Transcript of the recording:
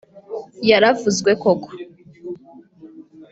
yaravuzwe koko